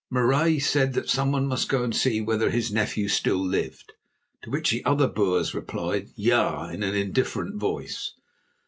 Marais said that someone must go to see whether his nephew still lived, to which the other Boers replied "Ja" in an indifferent voice.